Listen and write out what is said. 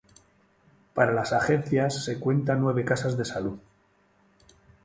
Para las agencias se cuenta nueve casas de salud.